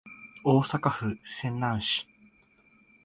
大阪府泉南市